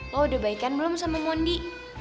lo udah baikan belum sama mondi